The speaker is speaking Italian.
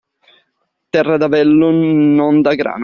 Terra d'avello non dà grano!